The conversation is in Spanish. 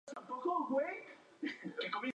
Era mágico, pura poesía.